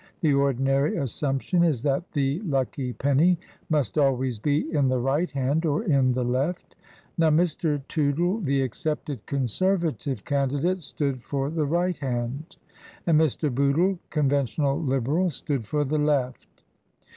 The ordinary assumption is that the lucky penny must always be in the right hand or in the left. Now, Mr. Tootle, the accepted Conservative candi date, stood for the right hand, and Mr. Bootle, Conven tional Liberal, stood for the left.